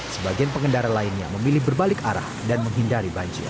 sebagian pengendara lainnya memilih berbalik arah dan menghindari banjir